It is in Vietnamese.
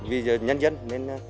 vì giờ nhân dân nên